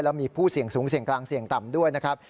แล้วมีผู้เสี่ยงสูงเสี่ยงกลางเสี่ยงต่ำด้วยนะครับ